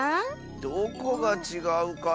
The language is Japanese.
どこがちがうかなあ。